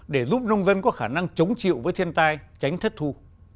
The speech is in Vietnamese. để giúp nông dân có khả năng chống chịu với thiên tai tránh thất thu